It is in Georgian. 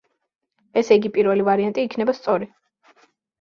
ესეიგი პირველი ვარიანტი იქნება სწორი.